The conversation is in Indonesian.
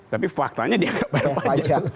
tapi faktanya dia gak membayar pajak